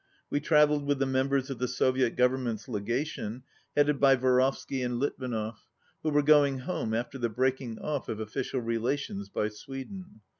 We travelled with the members of the Soviet Government's Legation, headed by Vorovsky and Litvinov, who were going home after the breaking off of official relations by Sweden.